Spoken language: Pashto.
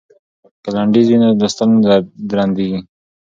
که لنډیز وي نو لوستل نه درندیږي.